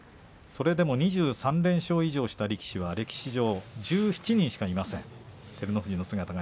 それでも２３連勝以上した力士は歴史上１７人しかいません。